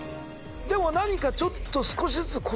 でも何かちょっと。